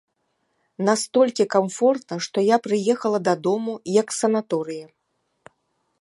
Настолькі камфортна, што я прыехала дадому, як з санаторыя.